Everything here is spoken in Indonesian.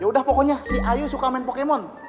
yaudah pokoknya si ayu suka main pokemon